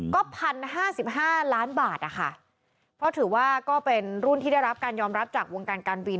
ก็พันห้าสิบห้าล้านบาทนะคะเพราะถือว่าก็เป็นรุ่นที่ได้รับการยอมรับจากวงการการบิน